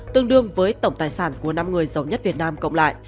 tương đương với tổng tài sản của năm người giàu nhất việt nam cộng lại